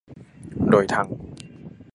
โดยทั้ง